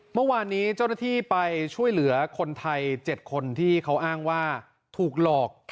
เมื่อวานนี้เจ้าหน้าที่ไปช่วยเหลือคนไทย๗คนที่เขาอ้างว่าถูกหลอก